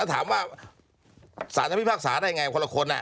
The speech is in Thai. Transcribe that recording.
ถามว่าสาธารณีภาคศาสตร์ได้ไงคนละคน